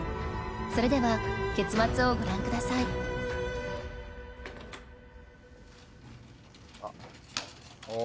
それでは結末をご覧くださいあっ。おっ！